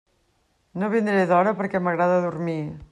No vindré d'hora perquè m'agrada dormir.